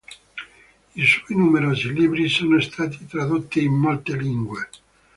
I suoi numerosi libri sono stati tradotti in molte lingue.